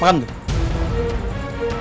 tidak ada yang bisa dihukum